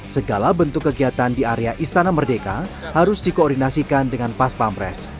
segala bentuk kegiatan di area istana merdeka harus dikoordinasikan dengan pas pampres